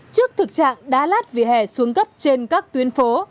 trước thực trạng đá lát vỉa hè xuống cấp trên các tuyến phố